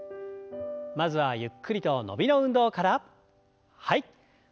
まずはゆっくりと伸びの運動から。